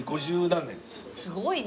すごいな。